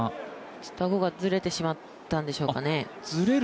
顎がずれてしまったんでしょうかね。